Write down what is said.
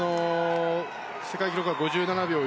世界記録が５７秒４５。